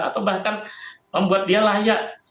atau bahkan membuat dia layak